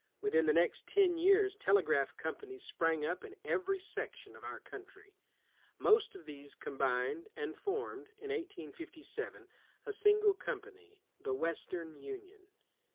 Within the next ten years, telegraph companies sprang up in every section of our country. Most of these com bined, and formed, in 1857, a single com pany, the Western Union.